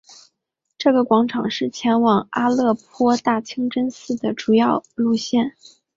这个广场是前往阿勒颇大清真寺的主要路线。